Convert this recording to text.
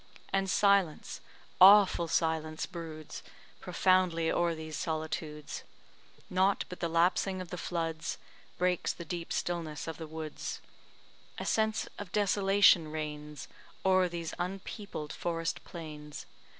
And silence awful silence broods Profoundly o'er these solitudes; Nought but the lapsing of the floods Breaks the deep stillness of the woods; A sense of desolation reigns O'er these unpeopled forest plains.